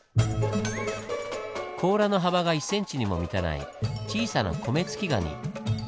甲羅の幅が１ｃｍにも満たない小さなコメツキガニ。